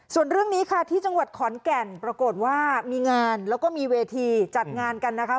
ส่วนเรื่องนี้ค่ะที่จังหวัดขอนแก่นปรากฏว่ามีงานแล้วก็มีเวทีจัดงานกันนะคะ